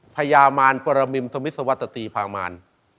พญามารปารมิตรวัตติพรางมาร